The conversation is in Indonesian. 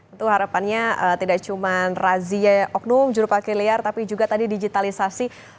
itu harapannya tidak cuma razia oknum juru pakai liar tapi juga tadi digitalisasi